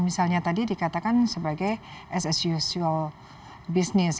misalnya tadi dikatakan sebagai as as usual business